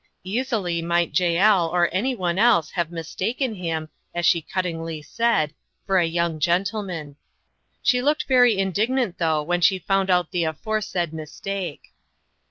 Easily might Jael or any one else have "mistaken" him, as she cuttingly said, for a young gentleman. She looked very indignant, though, when she found out the aforesaid "mistake."